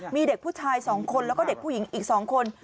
มีเด็กผู้ชาย๒คนแล้วก็เด็กผู้หญิงอีก๒คน